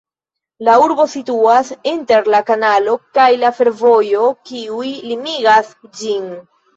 La urbo situas inter la kanalo kaj la fervojo, kiuj limigas ĝin.